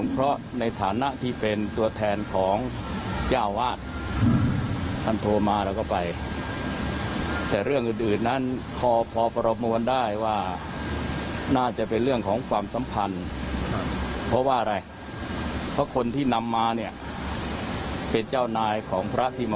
คนที่นำมาไปเจ้าหน้าเลยนั่ง